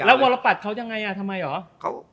แล้ววรปัสเค้ายังไงทำไมอ่ะ